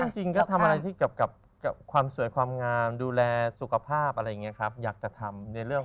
จริงก็ทำอะไรที่เกี่ยวกับความสวยความงามดูแลสุขภาพอะไรอย่างนี้ครับอยากจะทำในเรื่อง